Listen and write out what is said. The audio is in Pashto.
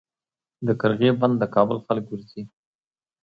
د قرغې بند د کابل خلک ورځي